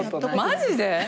マジで？